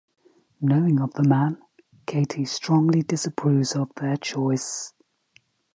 Knowing of the man, Katie strongly disapproves of their choice.